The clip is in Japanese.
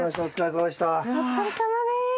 お疲れさまでした。